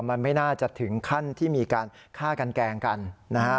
มันไม่น่าจะถึงขั้นที่มีการฆ่ากันแกล้งกันนะฮะ